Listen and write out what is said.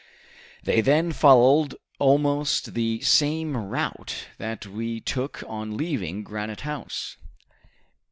They then followed almost the same route that we took on leaving Granite House.